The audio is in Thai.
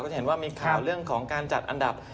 จะเห็นว่ามีข่าวเรื่องของการจัดอันดับ